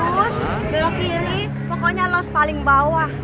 gelok ini pokoknya lurus paling bawah